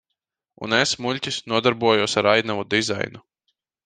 Un es, muļķis, nodarbojos ar ainavu dizainu.